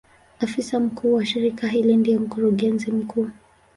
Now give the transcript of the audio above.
Afisa mkuu wa shirika hili ndiye Mkurugenzi mkuu.